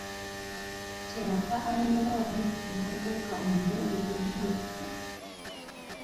Kye yava amira omukka n'abuuka omulundi gumu bwe kku!